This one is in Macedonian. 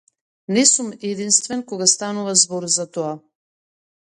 Не сум единствен кога станува збор за тоа.